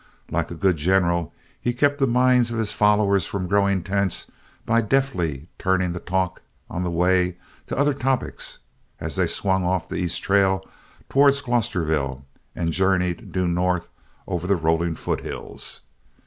Like a good general, he kept the minds of his followers from growing tense by deftly turning the talk, on the way, to other topics, as they swung off the east trail towards Glosterville and journeyed due north over the rolling foothills.